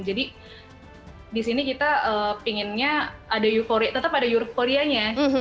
jadi di sini kita pinginnya ada euforia tetap ada euforianya